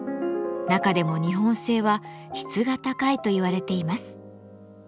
中でも日本製は質が高いといわれています。